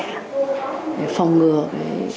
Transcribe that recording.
để phòng ngừa